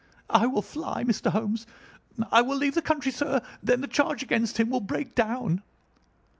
"I will fly, Mr. Holmes. I will leave the country, sir. Then the charge against him will break down."